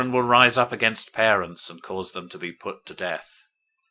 Children will rise up against parents, and cause them to be put to death.